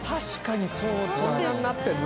石原：こんなのになってるの？